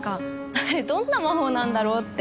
あれどんな魔法なんだろうって。